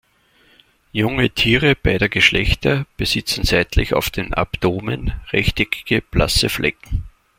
Junge Tiere beider Geschlechter besitzen seitlich auf dem Abdomen rechteckige, blasse Flecken.